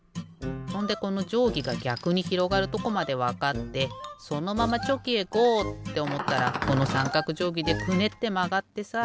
ほんでこのじょうぎがぎゃくにひろがるとこまでわかってそのままチョキへゴー！っておもったらこのさんかくじょうぎでクネッてまがってさ。